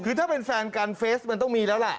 คือถ้าเป็นแฟนกันเฟสมันต้องมีแล้วแหละ